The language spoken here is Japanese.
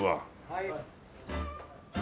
はい。